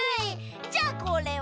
じゃあこれは？